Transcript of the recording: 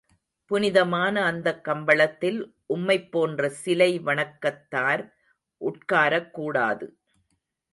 புனிதமான அந்தக் கம்பளத்தில், உம்மைப் போன்ற சிலை வணக்கத்தார் உட்காரக் கூடாது.